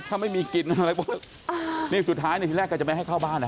ถ้าไม่มีกินอะไรปุ๊บนี่สุดท้ายในทีแรกก็จะไม่ให้เข้าบ้านนะ